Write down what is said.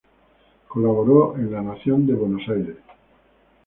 Colaboró en La Nación de Buenos Aires.